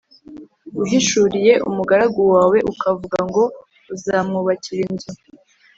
uhishuriye umugaragu wawe ukavuga ngo uzamwubakira inzu